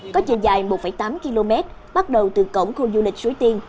có chiều dài một tám km bắt đầu từ cổng khu du lịch suối tiên